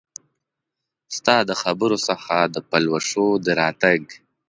ستا د خبرو څخه د پلوشو د راتګ